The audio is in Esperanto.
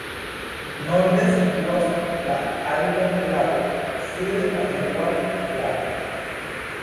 Norde situas la Albert-Lago, sude la Eduard-Lago.